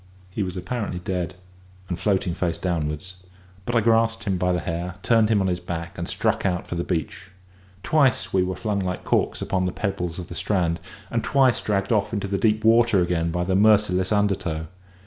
He was apparently dead, and floating face downwards; but I grasped him by the hair, turned him on his back, and struck out for the beach. Twice were we flung like corks upon the pebbles of the strand, and twice dragged off into deep water again by the merciless undertow.